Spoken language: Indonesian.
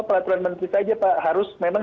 peraturan menteri saja pak harus memang